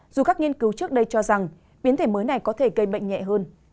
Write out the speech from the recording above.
dù các nghiên cứu trước đây cho rằng biến thể mới này có thể gây bệnh nhẹ hơn